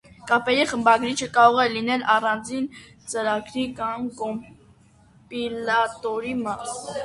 Կապերի խմբագրիչը կարող է լինել առանձին ծրագիր կամ կոմպիլյատորի մաս։